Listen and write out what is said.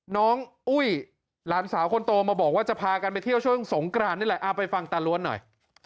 อุ้ยหลานสาวคนโตมาบอกว่าจะพากันไปเที่ยวช่วงสงกรานนี่แหละเอาไปฟังตาล้วนหน่อย